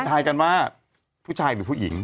ทายกันว่าผู้ชายหรือผู้หญิง